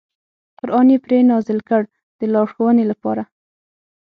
قران یې پرې نازل کړ د لارښوونې لپاره.